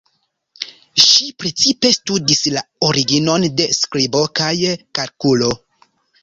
Ŝi precipe studis la originon de skribo kaj kalkulo.